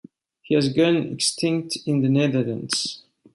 It has gone extinct in the Netherlands.